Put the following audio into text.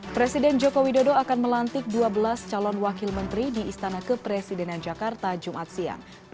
presiden joko widodo akan melantik dua belas calon wakil menteri di istana kepresidenan jakarta jumat siang